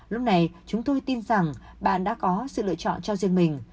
lúc này chúng tôi tin rằng bạn đã có sự lựa chọn cho riêng mình